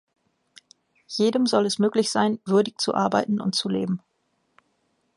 Jedem soll es möglich sein, würdig zu arbeiten und zu leben.